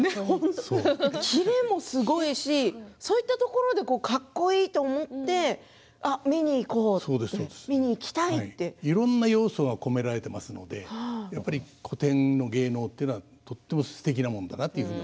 切れもすごいし、そういうところでかっこいいと思っていろんな要素が込められていますのでやっぱり古典の芸能というのはとてもすてきなものだと。